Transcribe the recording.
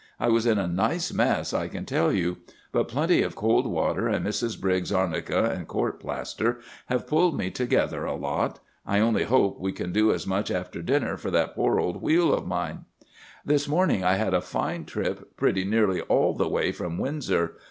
I was in a nice mess, I can tell you. But plenty of cold water and Mrs. Brigg's arnica and court plaster have pulled me together a lot. I only hope we can do as much after dinner for that poor old wheel of mine. "'This morning I had a fine trip pretty nearly all the way from Windsor.